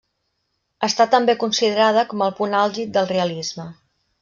Està també considerada com el punt àlgid del realisme.